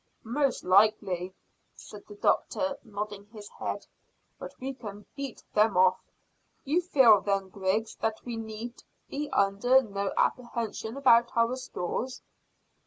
"Most likely," said the doctor, nodding his head; "but we can beat them off. You feel, then, Griggs, that we need be under no apprehension about our stores?"